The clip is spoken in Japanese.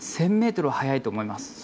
１０００ｍは速いと思います。